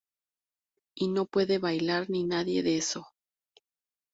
Y no puedo bailar ni nada de eso.